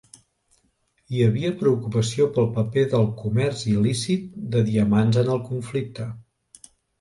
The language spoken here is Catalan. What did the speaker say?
Hi havia preocupació pel paper del comerç il·lícit de diamants en el conflicte.